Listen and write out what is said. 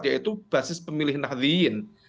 yaitu basis pemilih nahdhiin